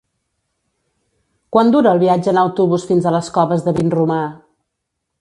Quant dura el viatge en autobús fins a les Coves de Vinromà?